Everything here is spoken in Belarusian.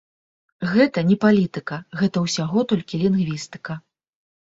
Гэта не палітыка, гэта ўсяго толькі лінгвістыка.